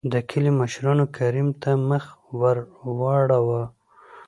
دکلي مشرانو کريم ته مخ ور ور واړو .